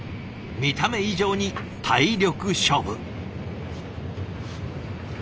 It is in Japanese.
見た目以上に体力勝負。